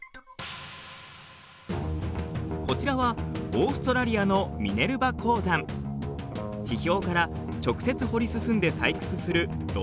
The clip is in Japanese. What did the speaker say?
こちらはオーストラリアの地表から直接掘り進んで採掘する露天掘りが行われています。